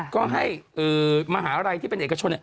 ก็ให้มหาลัยที่เป็นเอกชน